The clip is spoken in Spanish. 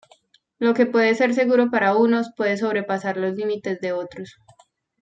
Lo que puede ser seguro para unos, puede sobrepasar los límites de otros.